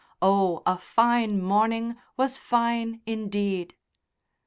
Oh, a fine morning was fine indeed!